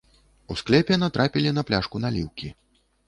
У склепе натрапілі на пляшку наліўкі.